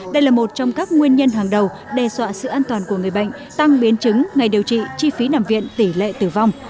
đây là một trong các nguyên nhân hàng đầu đe dọa sự an toàn của người bệnh tăng biến chứng ngày điều trị chi phí nằm viện tỷ lệ tử vong